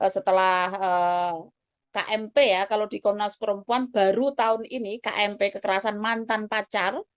setelah kmp ya kalau di komnas perempuan baru tahun ini kmp kekerasan mantan pacar